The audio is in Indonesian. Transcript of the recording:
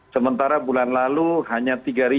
sementara bulan lalu hanya tiga